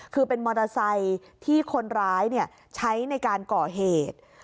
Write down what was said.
คือเป็นมอเตอร์ไซค์ที่คนร้ายใช้ในการก่อเหตุ